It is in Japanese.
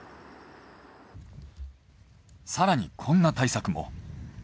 更にこんな対策も。